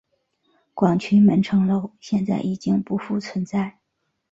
广渠门城楼现在已经不复存在。